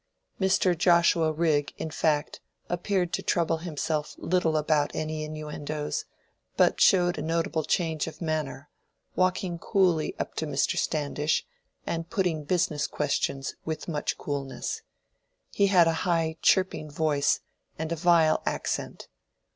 Mr. Joshua Rigg, in fact, appeared to trouble himself little about any innuendoes, but showed a notable change of manner, walking coolly up to Mr. Standish and putting business questions with much coolness. He had a high chirping voice and a vile accent.